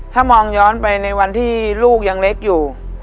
ถ้ามองย้อนไปในวันที่ลูกยังเล็กอยู่